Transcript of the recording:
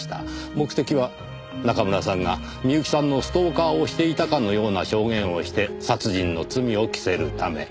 目的は中村さんが美由紀さんのストーカーをしていたかのような証言をして殺人の罪を着せるため。